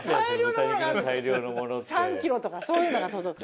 ３ｋｇとかそういうのが届く。